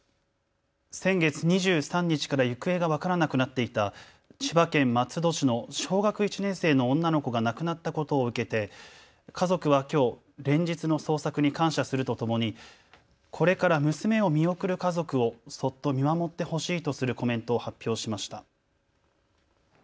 先月２３日から行方が分からなくなっていた千葉県松戸市の小学１年生の女の子が亡くなったことを受けて家族はきょう連日の捜索に感謝するとともにこれから娘を見送る家族をそっと見守ってほしいとするコメントを発表しました。